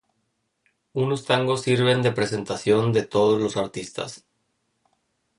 Unos tangos sirven de presentación de todos los artistas.